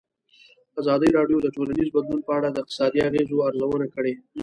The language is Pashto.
ازادي راډیو د ټولنیز بدلون په اړه د اقتصادي اغېزو ارزونه کړې.